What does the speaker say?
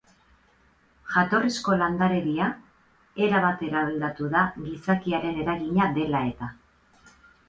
Jatorrizko landaredia, erabat eraldatu da gizakiaren eragina dela eta.